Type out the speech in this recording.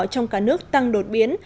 trong cả nước tăng đột biến